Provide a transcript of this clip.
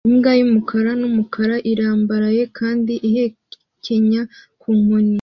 Imbwa yumukara numukara irambaraye kandi ihekenya ku nkoni